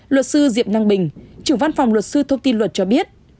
luật sư diệp năng bình trưởng văn phòng luật sư thông tin luật cho biết